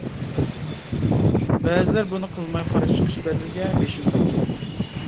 بەزىلەر بۇنى قىلماي قارشى چىقىش بەدىلىگە بېشىنى تاپشۇردى.